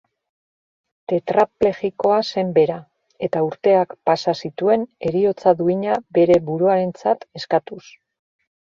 Tetraplegikoa zen bera, eta urteak pasa zituen heriotza duina bere buruarentzat eskatuz.